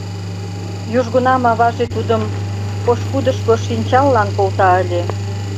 Южгунам аваже тудым пошкудышко шинчаллан колта ыле.